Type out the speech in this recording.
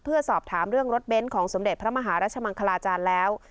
เพื่อสอบถามเรื่องรถเบนท์ของสมเด็จพระมหารัชมังคลาจารย์แล้ว